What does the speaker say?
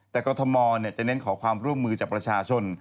แต่กรทมจะเน้นขอความร่วมมือจากประชาชน